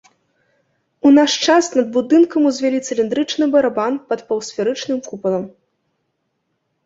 У наш час над будынкам узвялі цыліндрычны барабан пад паўсферычным купалам.